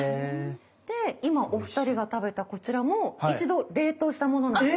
で今お二人が食べたこちらも一度冷凍したものなんです。